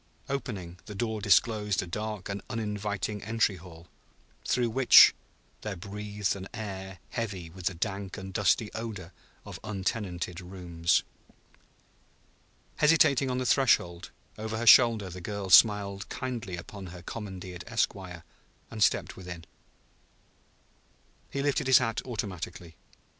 Opening, the door disclosed a dark and uninviting entry hall, through which there breathed an air heavy with the dank and dusty odor of untenanted rooms. Hesitating on the threshold, over her shoulder the girl smiled kindly upon her commandeered esquire; and stepped within. He lifted his hat automatically.